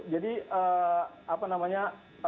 jadi apa namanya